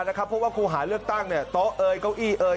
เพราะว่าครูหาเลือกตั้งโต๊ะเอ่ยเก้าอี้เอ่ย